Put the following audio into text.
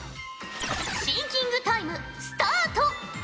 シンキングタイムスタート！